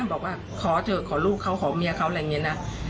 บอกว่าขอเถอะขอลูกเขาขอเมียเขาอะไรอย่างนี้นะ